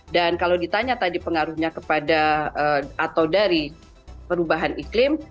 dan kalau ditanya tadi pengaruhnya kepada atau dari perubahan iklim